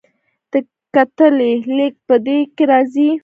د کتلې لیږد هم په دې کې راځي.